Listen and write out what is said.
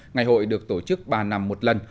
ngày hội được tổ chức ba năm một lần